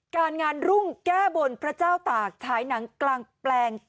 การงานรุ่งแก้บนพระเจ้าตากฉายหนังกลางแปลง